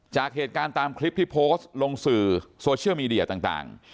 จากเหตุการณ์ตามคลิปที่โพสต์ลงสื่อโซเชียลมีเดียต่าง